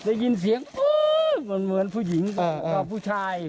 ได้ยินเสียงมันเหมือนผู้หญิงกับผู้ชาย